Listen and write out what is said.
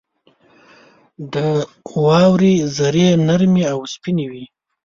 • د واورې ذرې نرمې او سپینې وي.